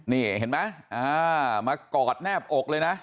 นี่เห็นไหมมากอดแนบอกเลยนะ